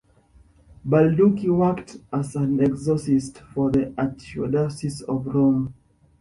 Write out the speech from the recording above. Balducci worked as an exorcist for the Archdiocese of Rome.